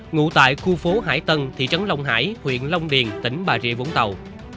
ngụ tại khu phố hải tân thị trấn long hải huyện long điền tỉnh bà rịa vũng tàu